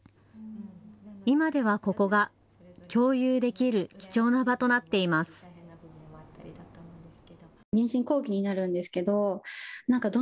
今ではここが、共有できる貴重な場となっています。